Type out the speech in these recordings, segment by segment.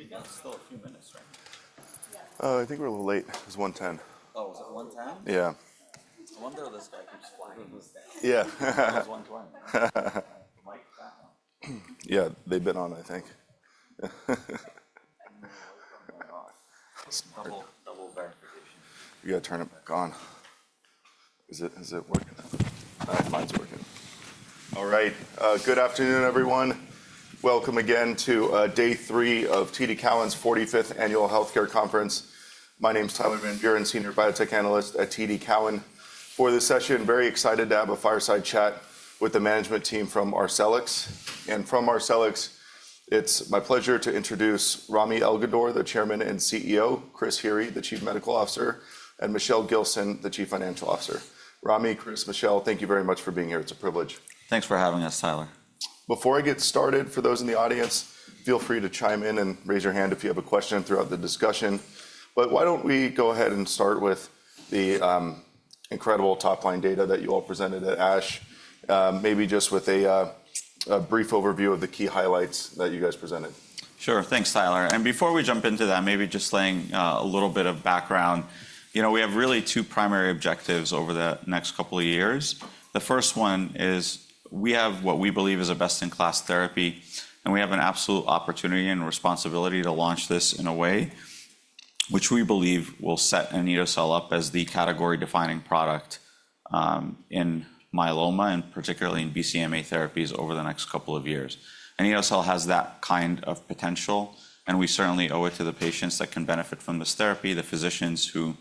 We've still got a few minutes, right? Oh, I think we're a little late. It's 1:10. Oh, is it 1:10? Yeah. I wonder why this guy keeps flying in his day. Yeah. Because 1:20. The mic's back on? Yeah, they've been on, I think. The mic's on my arm. Double verification. You got to turn it back on. Is it working? All right, mine's working. All right. Good afternoon, everyone. Welcome again to day three of TD Cowen's 45th Annual Healthcare Conference. My name's Tyler Van Buren, Senior Biotech Analyst at TD Cowen. For this session, very excited to have a fireside chat with the management team from Arcellx, and from Arcellx, it's my pleasure to introduce Rami Elghandour, the Chairman and CEO, Chris Heery, the Chief Medical Officer, and Michelle Gilson, the Chief Financial Officer. Rami, Chris, Michelle, thank you very much for being here. It's a privilege. Thanks for having us, Tyler. Before I get started, for those in the audience, feel free to chime in and raise your hand if you have a question throughout the discussion. But why don't we go ahead and start with the incredible top-line data that you all presented at ASH, maybe just with a brief overview of the key highlights that you guys presented? Sure. Thanks, Tyler. And before we jump into that, maybe just laying a little bit of background, we have really two primary objectives over the next couple of years. The first one is we have what we believe is a best-in-class therapy, and we have an absolute opportunity and responsibility to launch this in a way which we believe will set anito-cel up as the category-defining product in myeloma, and particularly in BCMA therapies over the next couple of years. Anito-cel has that kind of potential, and we certainly owe it to the patients that can benefit from this therapy, the physicians who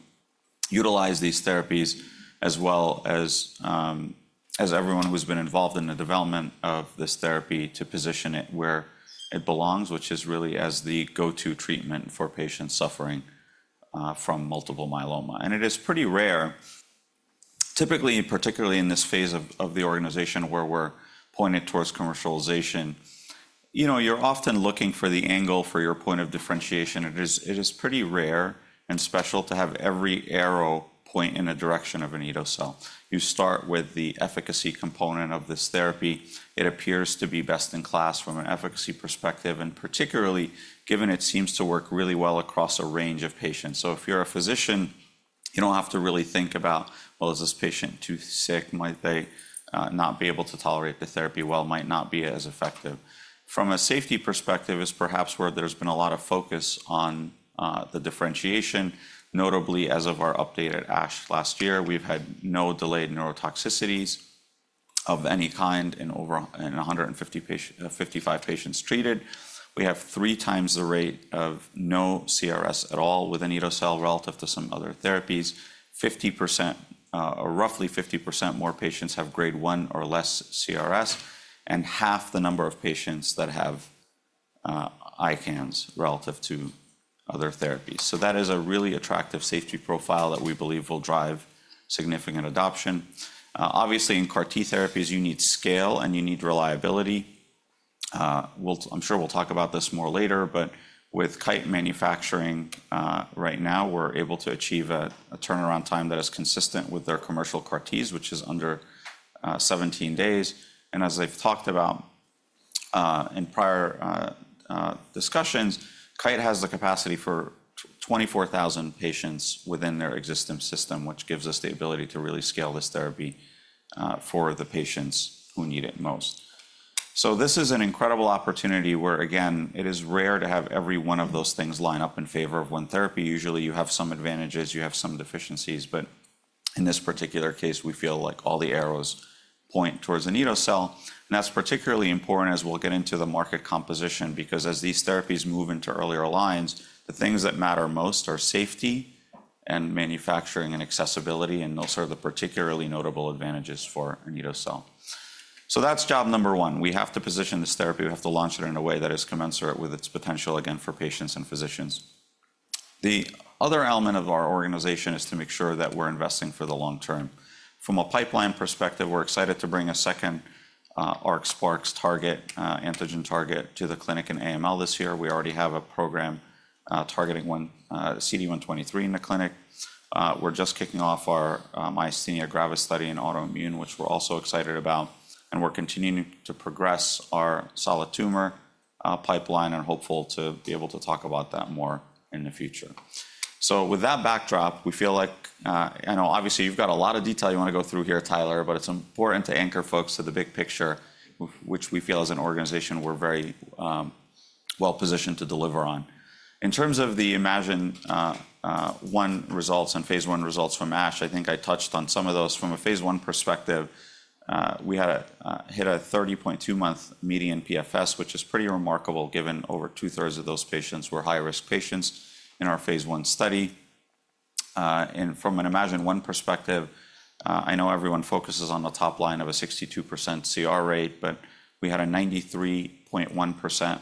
utilize these therapies, as well as everyone who's been involved in the development of this therapy to position it where it belongs, which is really as the go-to treatment for patients suffering from multiple myeloma. And it is pretty rare. Typically, particularly in this phase of the organization where we're pointed towards commercialization, you're often looking for the angle for your point of differentiation. It is pretty rare and special to have every arrow point in a direction of anito-cel. You start with the efficacy component of this therapy. It appears to be best in class from an efficacy perspective, and particularly given it seems to work really well across a range of patients. So if you're a physician, you don't have to really think about, well, is this patient too sick? Might they not be able to tolerate the therapy well? Might not be as effective. From a safety perspective, it's perhaps where there's been a lot of focus on the differentiation. Notably, as of our update at ASH last year, we've had no delayed neurotoxicities of any kind in 155 patients treated. We have three times the rate of no CRS at all with anito-cel relative to some other therapies. Roughly 50% more patients have Grade 1 or less CRS, and half the number of patients that have ICANS relative to other therapies. So that is a really attractive safety profile that we believe will drive significant adoption. Obviously, in CAR-T therapies, you need scale, and you need reliability. I'm sure we'll talk about this more later, but with Kite manufacturing right now, we're able to achieve a turnaround time that is consistent with their commercial CAR-Ts, which is under 17 days. And as I've talked about in prior discussions, Kite has the capacity for 24,000 patients within their existing system, which gives us the ability to really scale this therapy for the patients who need it most. This is an incredible opportunity where, again, it is rare to have every one of those things line up in favor of one therapy. Usually, you have some advantages. You have some deficiencies. But in this particular case, we feel like all the arrows point towards anito-cel. And that's particularly important as we'll get into the market composition, because as these therapies move into earlier lines, the things that matter most are safety and manufacturing and accessibility, and those are the particularly notable advantages for anito-cel. That's job number one. We have to position this therapy. We have to launch it in a way that is commensurate with its potential, again, for patients and physicians. The other element of our organization is to make sure that we're investing for the long term. From a pipeline perspective, we're excited to bring a second ARC-SparX target, antigen target to the clinic in AML this year. We already have a program targeting CD123 in the clinic. We're just kicking off our myasthenia gravis study in autoimmune, which we're also excited about, and we're continuing to progress our solid tumor pipeline and hopeful to be able to talk about that more in the future, so with that backdrop, we feel like I know, obviously, you've got a lot of detail you want to go through here, Tyler, but it's important to anchor folks to the big picture, which we feel as an organization we're very well positioned to deliver on. In terms of the iMMagine-1 results and phase I results from ASH, I think I touched on some of those. From a phase I perspective, we hit a 30.2-month median PFS, which is pretty remarkable given over 2/3 of those patients were high-risk patients in our phase I study. And from an iMMagine-1 perspective, I know everyone focuses on the top line of a 62% CR rate, but we had a 93.1%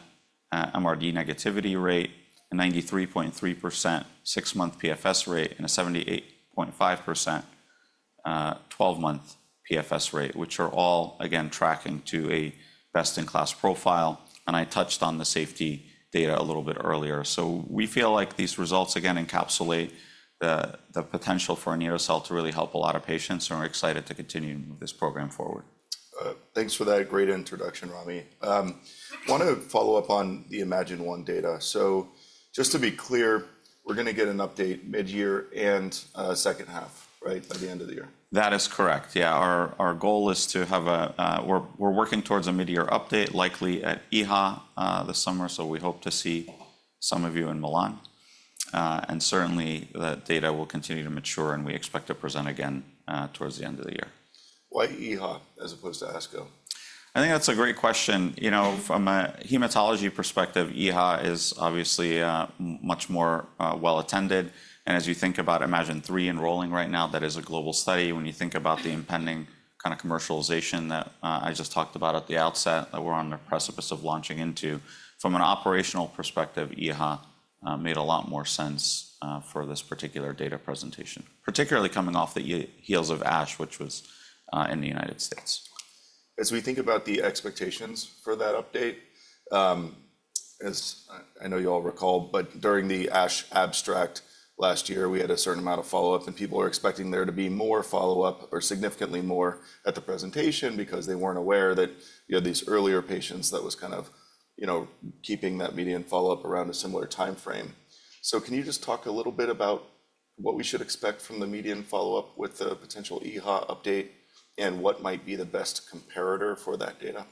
MRD negativity rate, a 93.3% six-month PFS rate, and a 78.5% 12-month PFS rate, which are all, again, tracking to a best-in-class profile. And I touched on the safety data a little bit earlier. So we feel like these results, again, encapsulate the potential for anito-cel to really help a lot of patients, and we're excited to continue to move this program forward. Thanks for that great introduction, Rami. I want to follow up on the iMMagine-1 data. So just to be clear, we're going to get an update mid-year and second half, right, by the end of the year? That is correct. Yeah, our goal is, we're working towards a mid-year update, likely at EHA this summer, so we hope to see some of you in Milan. Certainly, that data will continue to mature, and we expect to present again towards the end of the year. Why EHA as opposed to ASCO? I think that's a great question. From a hematology perspective, EHA is obviously much more well attended, and as you think about iMMagine-3 enrolling right now, that is a global study. When you think about the impending kind of commercialization that I just talked about at the outset, that we're on the precipice of launching into, from an operational perspective, EHA made a lot more sense for this particular data presentation, particularly coming off the heels of ASH, which was in the United States. As we think about the expectations for that update, as I know you all recall, but during the ASH abstract last year, we had a certain amount of follow-up, and people were expecting there to be more follow-up, or significantly more, at the presentation because they weren't aware that you had these earlier patients that was kind of keeping that median follow-up around a similar time frame. So can you just talk a little bit about what we should expect from the median follow-up with the potential EHA update and what might be the best comparator for that data?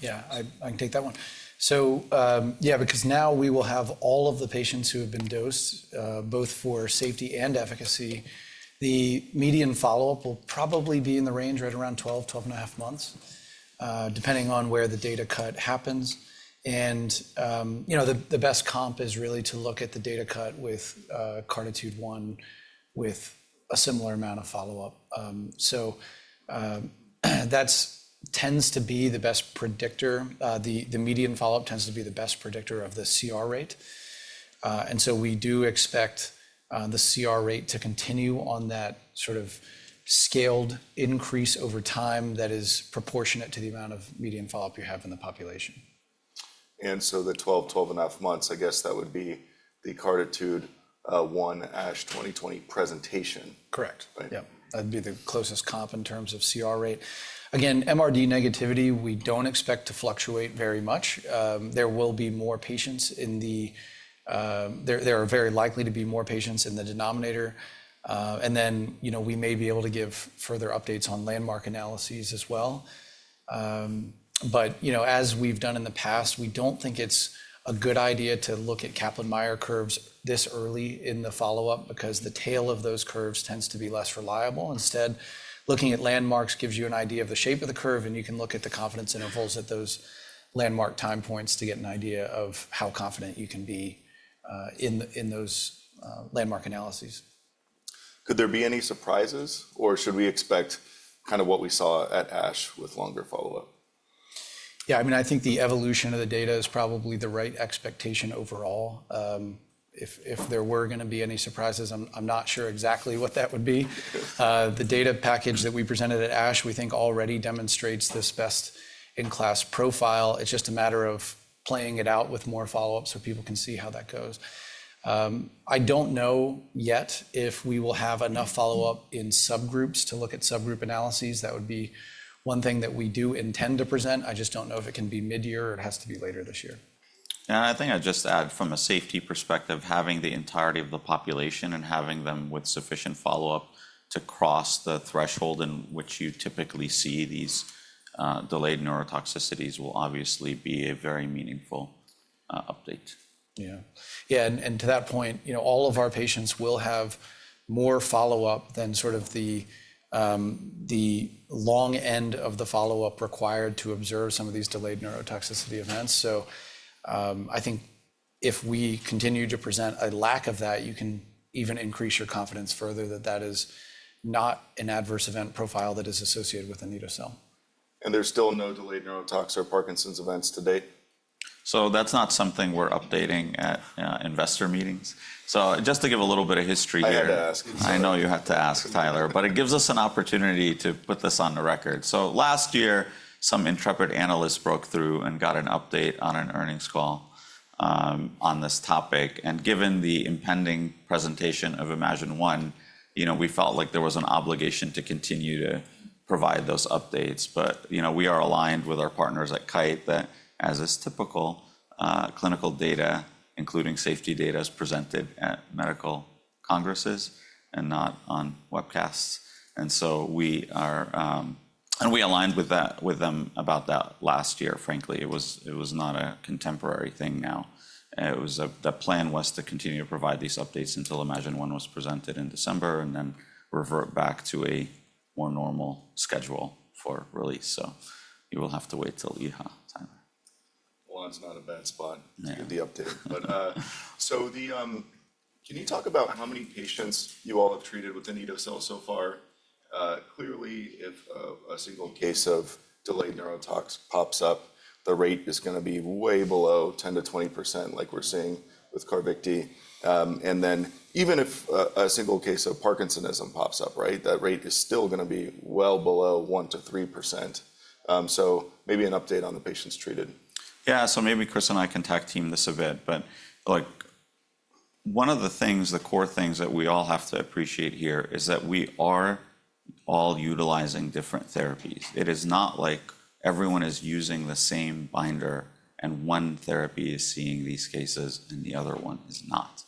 Yeah, I can take that one. So yeah, because now we will have all of the patients who have been dosed, both for safety and efficacy, the median follow-up will probably be in the range right around 12, 12 and a half months, depending on where the data cut happens. And the best comp is really to look at the data cut with CARTITUDE-1 with a similar amount of follow-up. So that tends to be the best predictor. The median follow-up tends to be the best predictor of the CR rate. And so we do expect the CR rate to continue on that sort of scaled increase over time that is proportionate to the amount of median follow-up you have in the population. And so the 12, 12 and a half months, I guess that would be the CARTITUDE-1 ASH 2020 presentation. Correct. Yeah, that'd be the closest comp in terms of CR rate. Again, MRD negativity, we don't expect to fluctuate very much. There will be more patients in the denominator. There are very likely to be more patients in the denominator. And then we may be able to give further updates on landmark analyses as well. But as we've done in the past, we don't think it's a good idea to look at Kaplan-Meier curves this early in the follow-up because the tail of those curves tends to be less reliable. Instead, looking at landmarks gives you an idea of the shape of the curve, and you can look at the confidence intervals at those landmark time points to get an idea of how confident you can be in those landmark analyses. Could there be any surprises, or should we expect kind of what we saw at ASH with longer follow-up? Yeah, I mean, I think the evolution of the data is probably the right expectation overall. If there were going to be any surprises, I'm not sure exactly what that would be. The data package that we presented at ASH, we think, already demonstrates this best-in-class profile. It's just a matter of playing it out with more follow-up so people can see how that goes. I don't know yet if we will have enough follow-up in subgroups to look at subgroup analyses. That would be one thing that we do intend to present. I just don't know if it can be mid-year or it has to be later this year. And I think I'd just add, from a safety perspective, having the entirety of the population and having them with sufficient follow-up to cross the threshold in which you typically see these delayed neurotoxicities will obviously be a very meaningful update. Yeah. Yeah, and to that point, all of our patients will have more follow-up than sort of the long end of the follow-up required to observe some of these delayed neurotoxicity events. So I think if we continue to present a lack of that, you can even increase your confidence further that that is not an adverse event profile that is associated with anito-cel. There's still no delayed neurotox or Parkinson's events to date? So that's not something we're updating at investor meetings. So just to give a little bit of history here. I had to ask. I know you have to ask, Tyler, but it gives us an opportunity to put this on the record. So last year, some intrepid analysts broke through and got an update on an earnings call on this topic. Given the impending presentation of iMMagine-1, we felt like there was an obligation to continue to provide those updates. But we are aligned with our partners at Kite that, as is typical, clinical data, including safety data, is presented at medical congresses and not on webcasts. And so we are, and we aligned with them about that last year, frankly. It was not a contemporary thing now. The plan was to continue to provide these updates until iMMagine-1 was presented in December and then revert back to a more normal schedule for release. You will have to wait till EHA, Tyler. That's not a bad spot to get the update. Can you talk about how many patients you all have treated with anito-cel so far? Clearly, if a single case of delayed neurotoxicity pops up, the rate is going to be way below 10%-20% like we're seeing with Carvykti. Then even if a single case of Parkinsonism pops up, right, that rate is still going to be well below 1%-3%. Maybe an update on the patients treated. Yeah, so maybe Chris and I can tag team this a bit. But one of the things, the core things that we all have to appreciate here is that we are all utilizing different therapies. It is not like everyone is using the same binder, and one therapy is seeing these cases and the other one is not.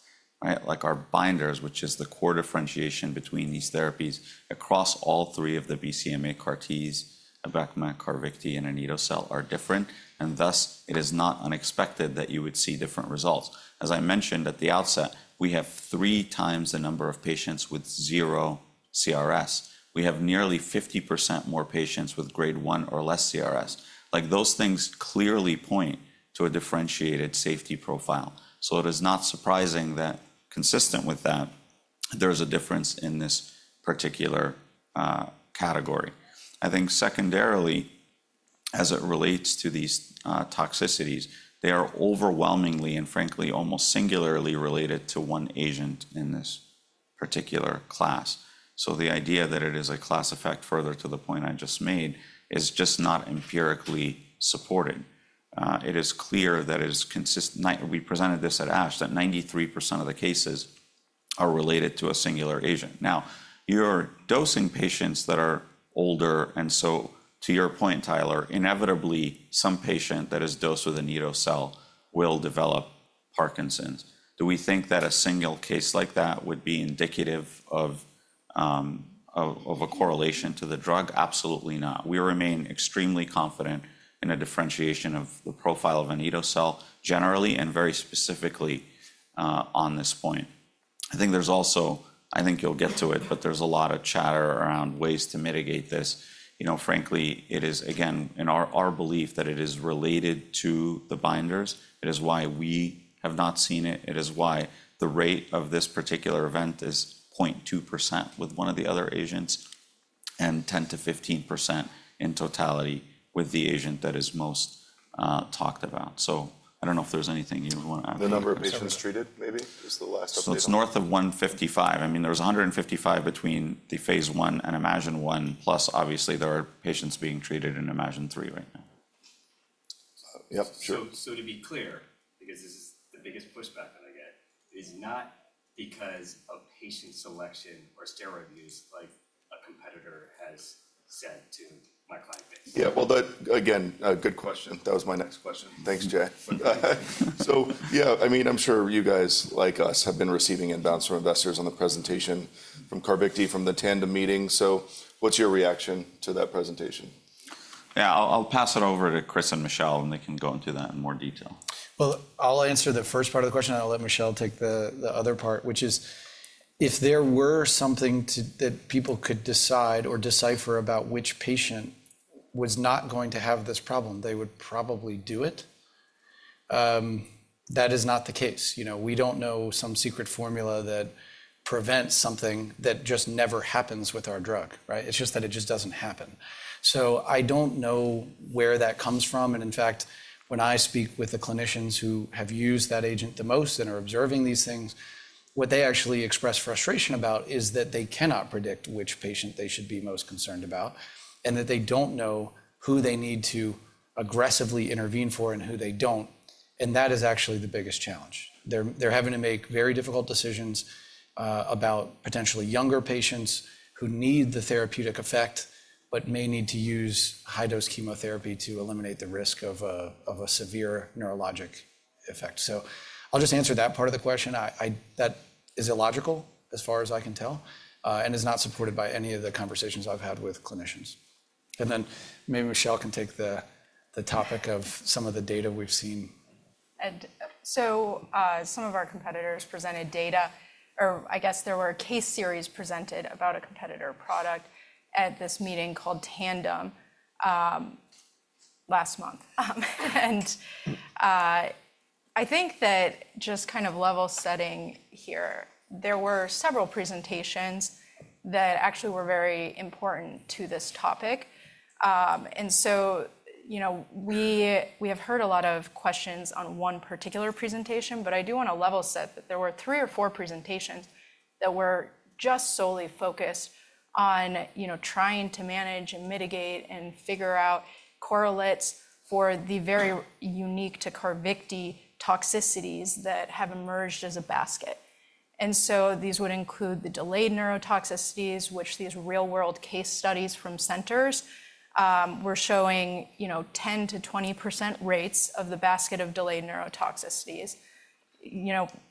Like our binders, which is the core differentiation between these therapies across all three of the BCMA CAR-Ts, Abecma, Carvykti, and anito-cel are different. And thus, it is not unexpected that you would see different results. As I mentioned at the outset, we have three times the number of patients with zero CRS. We have nearly 50% more patients with Grade 1 or less CRS. Those things clearly point to a differentiated safety profile. So it is not surprising that, consistent with that, there is a difference in this particular category. I think secondarily, as it relates to these toxicities, they are overwhelmingly and frankly almost singularly related to one agent in this particular class. So the idea that it is a class effect, further to the point I just made, is just not empirically supported. It is clear that it is consistent we presented this at ASH that 93% of the cases are related to a singular agent. Now, you're dosing patients that are older. And so to your point, Tyler, inevitably, some patient that is dosed with anito-cel will develop Parkinson's. Do we think that a single case like that would be indicative of a correlation to the drug? Absolutely not. We remain extremely confident in a differentiation of the profile of anito-cel generally and very specifically on this point. I think there's also I think you'll get to it, but there's a lot of chatter around ways to mitigate this. Frankly, it is, again, in our belief that it is related to the binders. It is why we have not seen it. It is why the rate of this particular event is 0.2% with one of the other agents and 10%-15% in totality with the agent that is most talked about. So I don't know if there's anything you want to add. The number of patients treated, maybe? Just the last update. So it's north of 155. I mean, there's 155 between the phase I and iMMagine-1, plus obviously, there are patients being treated in iMMagine-3 right now. Yep, sure. So to be clear, because this is the biggest pushback that I get, is not because of patient selection or steroid use like a competitor has said to my client base. Yeah, well, again, good question. That was my next question. Thanks, Jay. So yeah, I mean, I'm sure you guys, like us, have been receiving inbounds from investors on the presentation from Carvykti from the Tandem Meetings. So what's your reaction to that presentation? Yeah, I'll pass it over to Chris and Michelle, and they can go into that in more detail. I'll answer the first part of the question, and I'll let Michelle take the other part, which is if there were something that people could decide or decipher about which patient was not going to have this problem, they would probably do it. That is not the case. We don't know some secret formula that prevents something that just never happens with our drug, right? It's just that it just doesn't happen. So I don't know where that comes from. And in fact, when I speak with the clinicians who have used that agent the most and are observing these things, what they actually express frustration about is that they cannot predict which patient they should be most concerned about and that they don't know who they need to aggressively intervene for and who they don't. And that is actually the biggest challenge. They're having to make very difficult decisions about potentially younger patients who need the therapeutic effect but may need to use high-dose chemotherapy to eliminate the risk of a severe neurologic effect. So I'll just answer that part of the question. That is illogical as far as I can tell and is not supported by any of the conversations I've had with clinicians. And then maybe Michelle can take the topic of some of the data we've seen. And so some of our competitors presented data, or I guess there were case series presented about a competitor product at this meeting called Tandem last month. And I think that just kind of level setting here, there were several presentations that actually were very important to this topic. And so we have heard a lot of questions on one particular presentation, but I do want to level set that there were three or four presentations that were just solely focused on trying to manage and mitigate and figure out correlates for the very unique to Carvykti toxicities that have emerged as a basket. And so these would include the delayed neurotoxicities, which these real-world case studies from centers were showing 10%-20% rates of the basket of delayed neurotoxicities,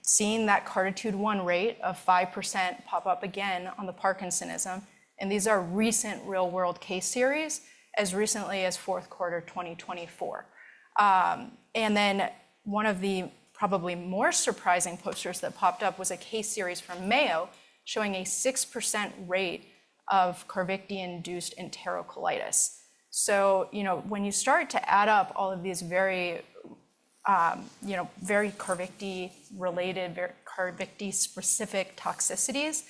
seeing that CARTITUDE-1 rate of 5% pop up again on the Parkinsonism. These are recent real-world case series, as recently as fourth quarter 2024. Then one of the probably more surprising posters that popped up was a case series from Mayo showing a 6% rate of Carvykti-induced enterocolitis. When you start to add up all of these very Carvykti-related, Carvykti-specific toxicities,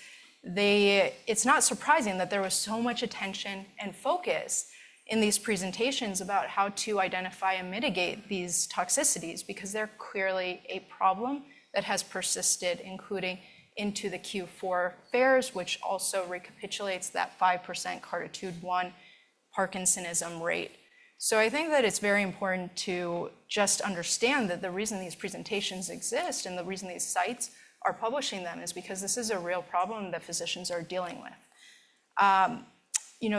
it's not surprising that there was so much attention and focus in these presentations about how to identify and mitigate these toxicities because they're clearly a problem that has persisted, including into the Q4 FAERS, which also recapitulates that 5% CARTITUDE-1 Parkinsonism rate. I think that it's very important to just understand that the reason these presentations exist and the reason these sites are publishing them is because this is a real problem that physicians are dealing with.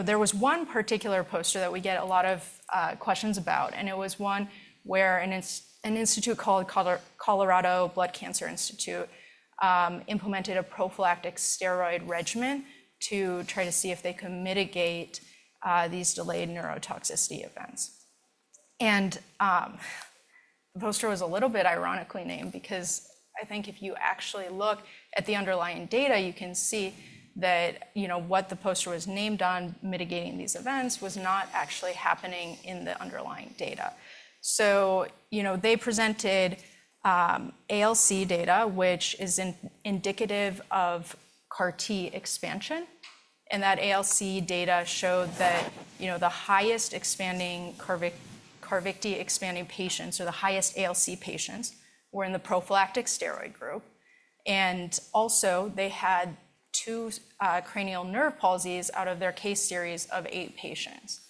There was one particular poster that we get a lot of questions about, and it was one where an institute called Colorado Blood Cancer Institute implemented a prophylactic steroid regimen to try to see if they could mitigate these delayed neurotoxicity events. And the poster was a little bit ironically named because I think if you actually look at the underlying data, you can see that what the poster was named on mitigating these events was not actually happening in the underlying data. So they presented ALC data, which is indicative of CAR-T expansion. And that ALC data showed that the highest expanding Carvykti expanding patients, or the highest ALC patients, were in the prophylactic steroid group. And also, they had two cranial nerve palsies out of their case series of eight patients.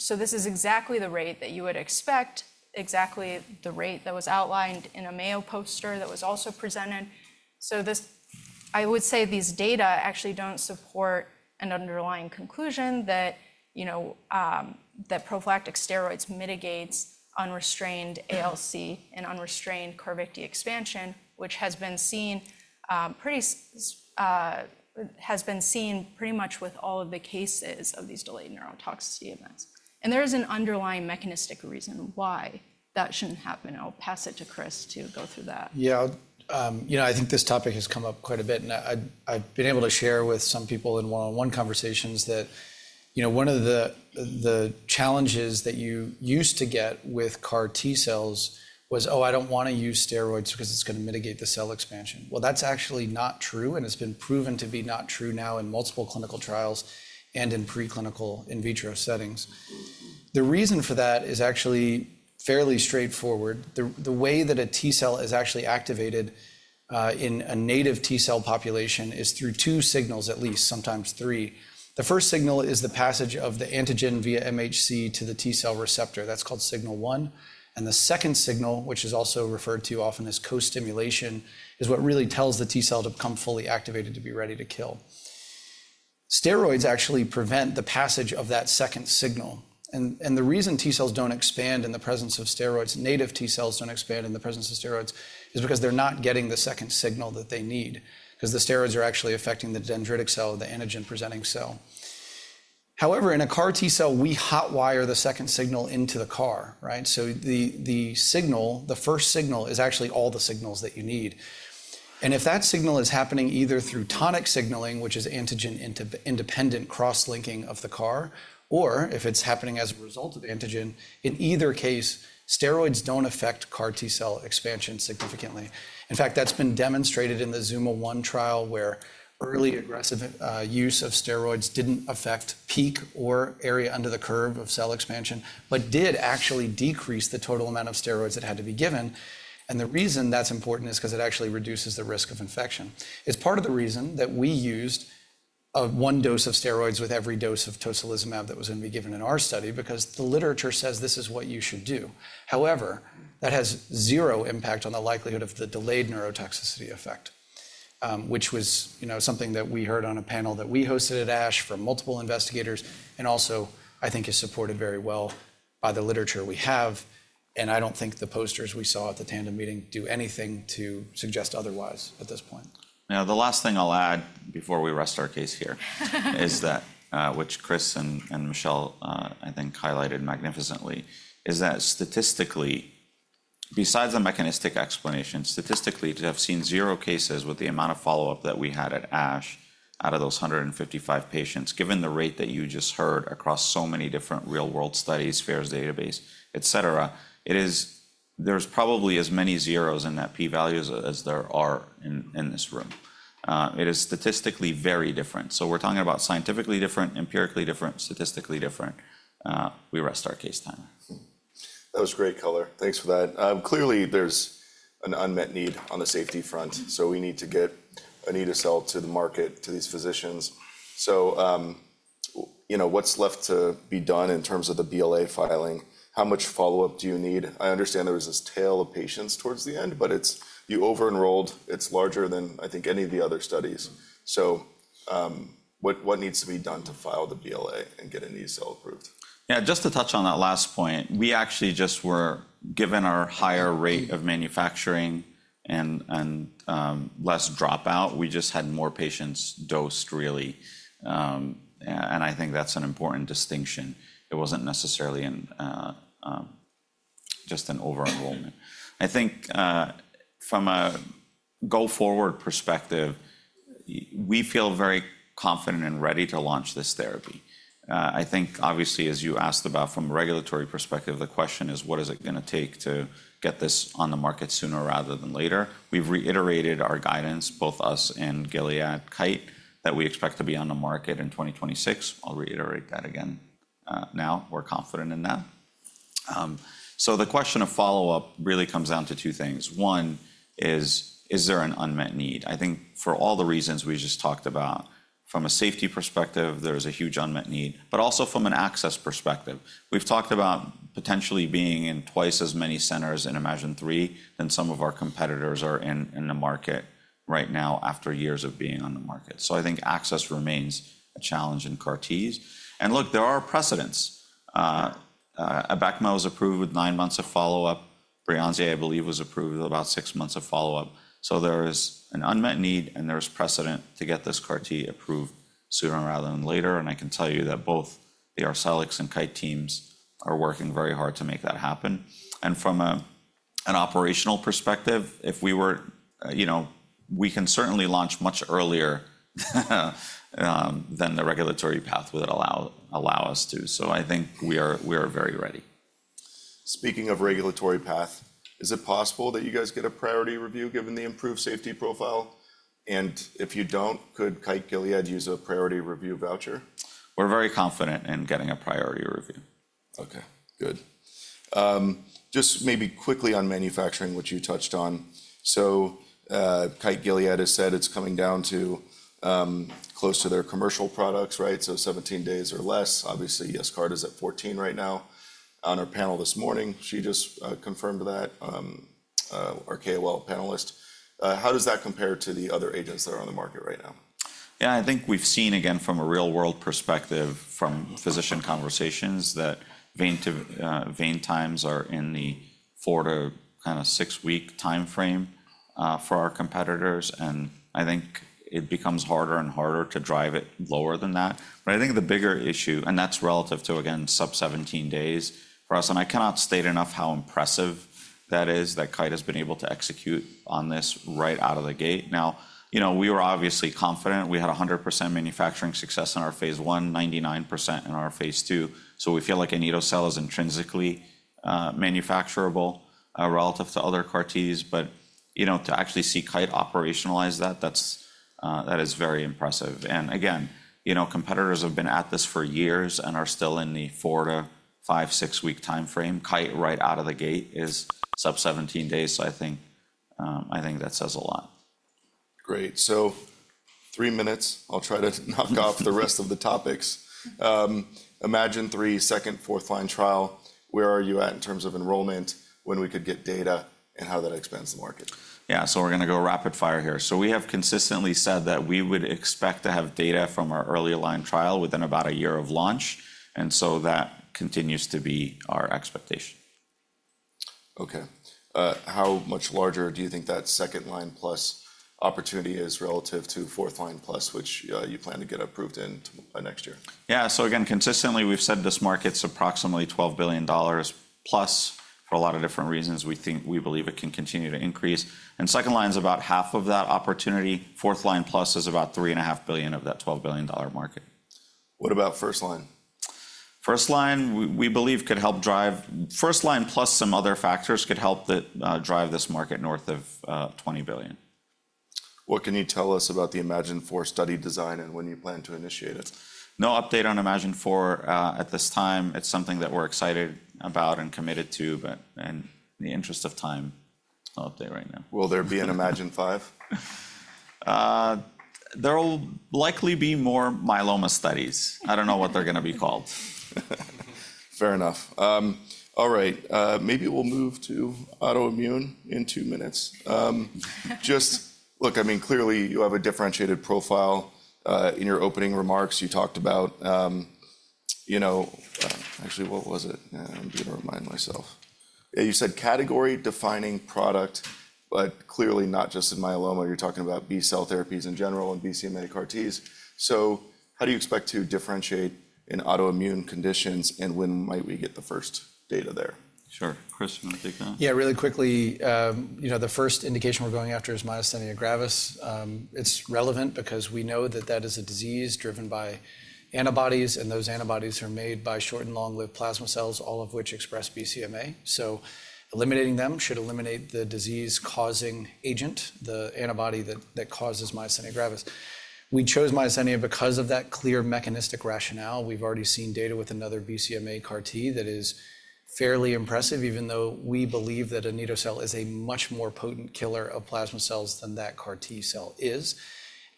This is exactly the rate that you would expect, exactly the rate that was outlined in a Mayo poster that was also presented. I would say these data actually don't support an underlying conclusion that prophylactic steroids mitigates unrestrained ALC and unrestrained Carvykti expansion, which has been seen pretty much with all of the cases of these delayed neurotoxicity events. There is an underlying mechanistic reason why that shouldn't happen. I'll pass it to Chris to go through that. Yeah, I think this topic has come up quite a bit, and I've been able to share with some people in one-on-one conversations that one of the challenges that you used to get with CAR-T cells was, "Oh, I don't want to use steroids because it's going to mitigate the cell expansion," well, that's actually not true, and it's been proven to be not true now in multiple clinical trials and in preclinical in vitro settings. The reason for that is actually fairly straightforward. The way that a T-cell is actually activated in a native T-cell population is through two signals, at least, sometimes three. The first signal is the passage of the antigen via MHC to the T-cell receptor. That's called signal one. And the second signal, which is also referred to often as co-stimulation, is what really tells the T-cell to become fully activated to be ready to kill. Steroids actually prevent the passage of that second signal. And the reason T-cells don't expand in the presence of steroids, native T-cells don't expand in the presence of steroids, is because they're not getting the second signal that they need because the steroids are actually affecting the dendritic cell, the antigen-presenting cell. However, in a CAR-T cell, we hotwire the second signal into the CAR, right? So the signal, the first signal, is actually all the signals that you need. And if that signal is happening either through tonic signaling, which is antigen-independent cross-linking of the CAR, or if it's happening as a result of antigen, in either case, steroids don't affect CAR-T cell expansion significantly. In fact, that's been demonstrated in the ZUMA-1 trial where early aggressive use of steroids didn't affect peak or area under the curve of cell expansion but did actually decrease the total amount of steroids that had to be given. And the reason that's important is because it actually reduces the risk of infection. It's part of the reason that we used one dose of steroids with every dose of tocilizumab that was going to be given in our study because the literature says this is what you should do. However, that has zero impact on the likelihood of the delayed neurotoxicity effect, which was something that we heard on a panel that we hosted at ASH for multiple investigators and also, I think, is supported very well by the literature we have. I don't think the posters we saw at the Tandem Meetings do anything to suggest otherwise at this point. Now, the last thing I'll add before we rest our case here, which Chris and Michelle, I think, highlighted magnificently, is that statistically, besides the mechanistic explanation, statistically, to have seen zero cases with the amount of follow-up that we had at ASH out of those 155 patients, given the rate that you just heard across so many different real-world studies, FAERS database, et cetera, there's probably as many zeros in that P-values as there are in this room. It is statistically very different. So we're talking about scientifically different, empirically different, statistically different. We rest our case time. That was great color. Thanks for that. Clearly, there's an unmet need on the safety front. So we need to get anito-cel to the market to these physicians. So what's left to be done in terms of the BLA filing? How much follow-up do you need? I understand there was this tail of patients towards the end, but you over-enrolled. It's larger than, I think, any of the other studies. So what needs to be done to file the BLA and get anito-cel approved? Yeah, just to touch on that last point, we actually just were given our higher rate of manufacturing and less dropout. We just had more patients dosed, really. And I think that's an important distinction. It wasn't necessarily just an over-enrollment. I think from a go-forward perspective, we feel very confident and ready to launch this therapy. I think, obviously, as you asked about from a regulatory perspective, the question is, what is it going to take to get this on the market sooner rather than later? We've reiterated our guidance, both us and Gilead Kite, that we expect to be on the market in 2026. I'll reiterate that again now. We're confident in that. So the question of follow-up really comes down to two things. One is, is there an unmet need? I think for all the reasons we just talked about, from a safety perspective, there is a huge unmet need, but also from an access perspective. We've talked about potentially being in twice as many centers in iMMagine-3 than some of our competitors are in the market right now after years of being on the market. So I think access remains a challenge in CAR-Ts. And look, there are precedents. Abecma was approved with nine months of follow-up. Breyanzi, I believe, was approved with about six months of follow-up. So there is an unmet need, and there is precedent to get this CAR-T approved sooner rather than later. And I can tell you that both the Arcellx and Kite teams are working very hard to make that happen. From an operational perspective, if we were, we can certainly launch much earlier than the regulatory path would allow us to. I think we are very ready. Speaking of regulatory path, is it possible that you guys get a priority review given the improved safety profile? And if you don't, could Kite-Gilead use a priority review voucher? We're very confident in getting a priority review. Okay, good. Just maybe quickly on manufacturing, which you touched on. So Kite-Gilead has said it's coming down to close to their commercial products, right? So 17 days or less. Obviously, Yescarta is at 14 right now. On our panel this morning, she just confirmed that, our KOL panelist. How does that compare to the other agents that are on the market right now? Yeah, I think we've seen, again, from a real-world perspective, from physician conversations that vein-to-vein times are in the four- to kind of six-week time frame for our competitors. And I think it becomes harder and harder to drive it lower than that. But I think the bigger issue, and that's relative to, again, sub-17 days for us, and I cannot state enough how impressive that is that Kite has been able to execute on this right out of the gate. Now, we were obviously confident. We had 100% manufacturing success in our phase I, 99% in our phase II. So we feel like anito-cel is intrinsically manufacturable relative to other CAR-Ts. But to actually see Kite operationalize that, that is very impressive. And again, competitors have been at this for years and are still in the four- to five-, six-week time frame. Kite right out of the gate is sub-17 days. So I think that says a lot. Great. So three minutes. I'll try to knock off the rest of the topics. iMMagine-3 second- and fourth-line trial. Where are you at in terms of enrollment, when we could get data, and how that expands the market? Yeah, so we're going to go rapid fire here. So we have consistently said that we would expect to have data from our early line trial within about a year of launch. And so that continues to be our expectation. Okay. How much larger do you think that second line plus opportunity is relative to fourth line plus, which you plan to get approved in next year? Yeah, so again, consistently, we've said this market's approximately $12 billion plus for a lot of different reasons. We believe it can continue to increase, and second line's about half of that opportunity. Fourth line plus is about $3.5 billion of that $12 billion market. What about first line? First line, we believe, could help drive first line plus some other factors could help drive this market north of $20 billion. What can you tell us about the iMMagine-4 study design and when you plan to initiate it? No update on iMMagine-4 at this time. It's something that we're excited about and committed to, but in the interest of time, no update right now. Will there be an iMMagine-5? There will likely be more myeloma studies. I don't know what they're going to be called. Fair enough. All right. Maybe we'll move to autoimmune in two minutes. Just look, I mean, clearly, you have a differentiated profile. In your opening remarks, you talked about actually, what was it? I'm going to remind myself. You said category-defining product, but clearly not just in myeloma. You're talking about B-cell therapies in general and BCMA CAR-Ts. So how do you expect to differentiate in autoimmune conditions, and when might we get the first data there? Sure. Chris, you want to take that? Yeah, really quickly, the first indication we're going after is myasthenia gravis. It's relevant because we know that that is a disease driven by antibodies, and those antibodies are made by short and long-lived plasma cells, all of which express BCMA. So eliminating them should eliminate the disease-causing agent, the antibody that causes myasthenia gravis. We chose myasthenia because of that clear mechanistic rationale. We've already seen data with another BCMA CAR-T that is fairly impressive, even though we believe that anito-cel is a much more potent killer of plasma cells than that CAR-T cell is,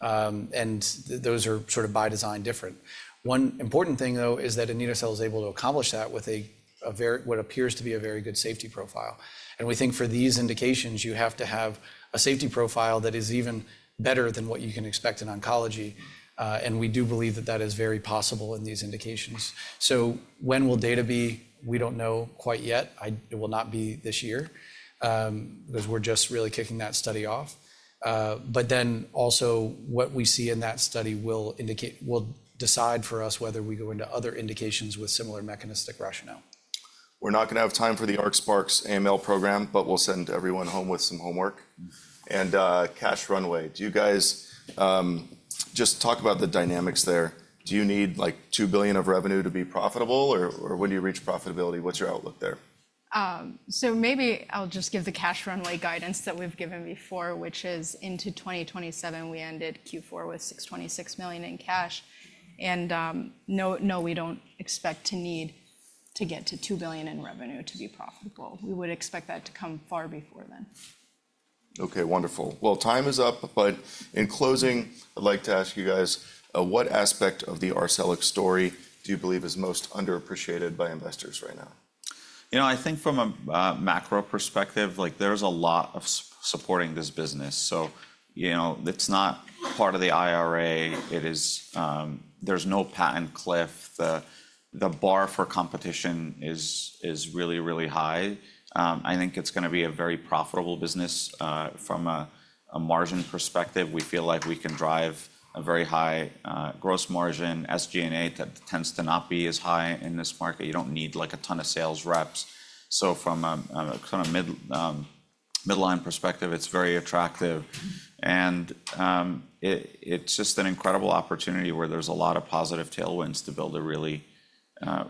and those are sort of by design different. One important thing, though, is that anito-cel is able to accomplish that with what appears to be a very good safety profile, and we think for these indications, you have to have a safety profile that is even better than what you can expect in oncology. We do believe that that is very possible in these indications. When will data be? We don't know quite yet. It will not be this year because we're just really kicking that study off. Then also, what we see in that study will decide for us whether we go into other indications with similar mechanistic rationale. We're not going to have time for the ARC-SparX AML program, but we'll send everyone home with some homework. And cash runway, do you guys just talk about the dynamics there. Do you need like $2 billion of revenue to be profitable, or when do you reach profitability? What's your outlook there? So maybe I'll just give the cash runway guidance that we've given before, which is into 2027. We ended Q4 with $626 million in cash. And no, we don't expect to need to get to $2 billion in revenue to be profitable. We would expect that to come far before then. Okay, wonderful. Time is up. In closing, I'd like to ask you guys what aspect of the Arcellx story do you believe is most underappreciated by investors right now? You know, I think from a macro perspective, there's a lot of supporting this business. So it's not part of the IRA. There's no patent cliff. The bar for competition is really, really high. I think it's going to be a very profitable business. From a margin perspective, we feel like we can drive a very high gross margin. SG&A tends to not be as high in this market. You don't need like a ton of sales reps. So from a margin perspective, it's very attractive. And it's just an incredible opportunity where there's a lot of positive tailwinds to build a really,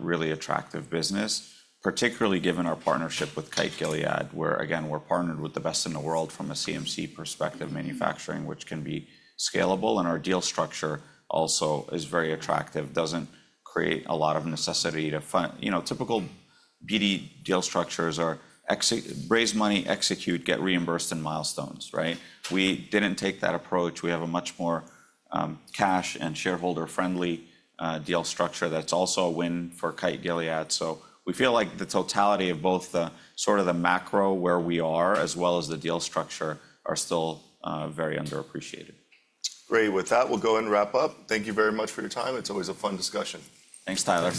really attractive business, particularly given our partnership with Kite-Gilead, where, again, we're partnered with the best in the world from a CMC perspective manufacturing, which can be scalable. And our deal structure also is very attractive. It doesn't create a lot of necessity to typical BD deal structures are raise money, execute, get reimbursed in milestones, right? We didn't take that approach. We have a much more cash and shareholder-friendly deal structure that's also a win for Kite-Gilead. So we feel like the totality of both sort of the macro where we are as well as the deal structure are still very underappreciated. Great. With that, we'll go and wrap up. Thank you very much for your time. It's always a fun discussion. Thanks, Tyler.